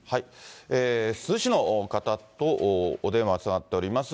珠洲市の方とお電話がつながっております。